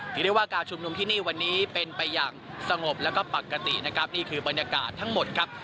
ถือได้ว่าการชุมนุมที่นี่วันนี้เป็นไปอย่างสงบแล้วก็ปกตินะครับนี่คือบรรยากาศทั้งหมดครับ